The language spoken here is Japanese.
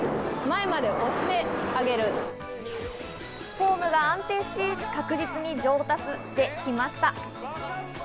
フォームが安定し、確実に上達していきました。